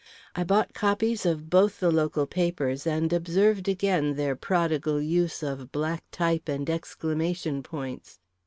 I bought copies of both the local papers, and observed again their prodigal use of black type and exclamation points.